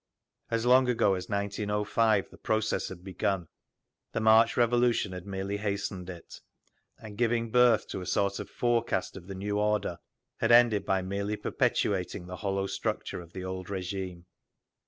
As long ago as 1905 the process had begun; the March Revolution had merely hastened it, and giving birth to a sort of forecast of the new order, had ended by merely perpetuating the hollow structure of the old regime.